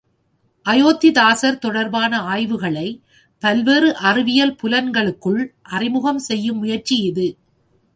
அயோத்திதாசர் தொடர்பான ஆய்வுகளை பல்வேறு அறிவியல் புலங்களுக்குள் அறிமுகம் செய்யும் முயற்சி இது.